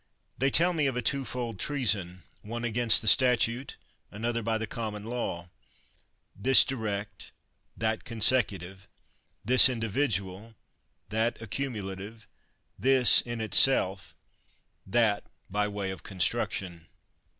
They tell me of a twofold treason, one against the statute, another by the common law; this direct, that consecutive; this individual, that accumulative; this in itself, that by way of construction.